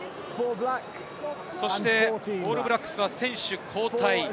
オールブラックスは選手交代。